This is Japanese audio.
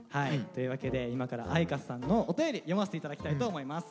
というわけで今から愛華さんのお便り読ませて頂きたいと思います。